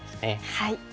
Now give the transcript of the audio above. はい。